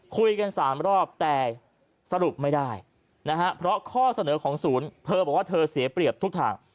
คุยกัน๓รอบแต่สรุปไม่ได้นะฮะเพราะข้อเสนอของศูนย์เธอบอกว่าเธอเสียเปรียบทุกทาง